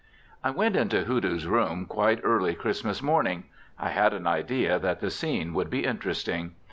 I went into Hoodoo's room quite early Christmas morning. I had an idea that the scene would be interesting.